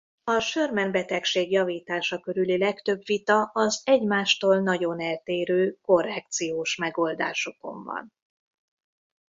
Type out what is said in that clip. A Scheuermann-betegség javítása körüli legtöbb vita az egymástól nagyon eltérő korrekciós megoldásokon van.